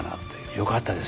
よかったです。